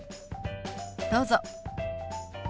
どうぞ。